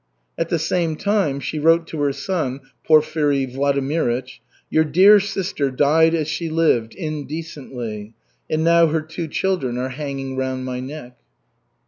At the same time she wrote to her son, Porfiry Vladimirych: "Your dear sister died as she lived, indecently, and now her two children are hanging round my neck."